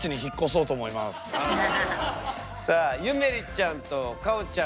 さあゆめりちゃんとかおちゃん。